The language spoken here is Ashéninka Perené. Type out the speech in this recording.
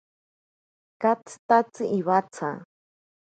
Ikatsitatsi iwatsa.